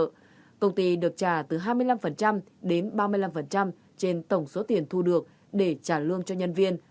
công ty được trả từ hai mươi năm đến ba mươi năm trên tổng số tiền thu được để trả lương cho nhân viên